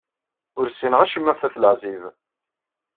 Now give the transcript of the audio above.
Ur ssineɣ acemma ɣef At Leɛzib.